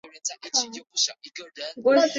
利梅雷默诺维尔。